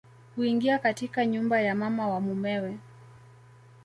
Huingia katika nyumba ya mama wa mumewe